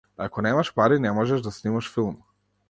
Ако немаш пари, не можеш да снимаш филм.